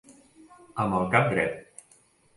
Amb el cap dret.